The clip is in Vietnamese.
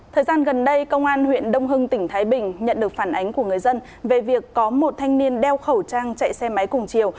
thời gian gần đây công an huyện đông hưng tỉnh thái bình nhận được phản ánh của người dân về việc có một thanh niên đeo khẩu trang chạy xe máy cùng chiều